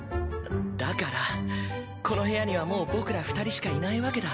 だからこの部屋にはもう僕ら二人しかいないわけだ。